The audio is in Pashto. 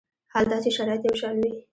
حال دا چې شرایط یو شان وي.